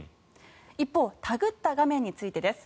一方タグった画面についてです。